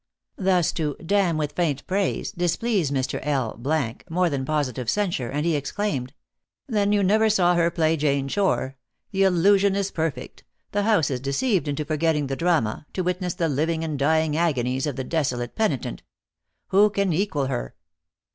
Thus to " damn with faint praise," displeased Mr. L more than positive censure, and he exclaimed :" Then you never saw her play Jane Shore. The illu sion is perfect. The house is deceived into forgetting the drama, to witness the living and dying agonies of the desolate penitent. Who can equal her?"